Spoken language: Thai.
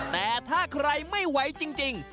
แต่ถ้าใครไม่ไหวจริง